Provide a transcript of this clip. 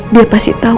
dia pasti tau